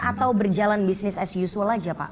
atau berjalan bisnis as usual aja pak